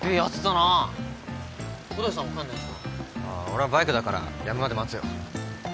俺はバイクだからやむまで待つよ。